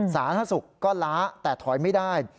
สาธารณสุขก็ล้าแต่ถอยไม่ได้